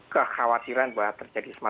kekhawatiran bahwa terjadi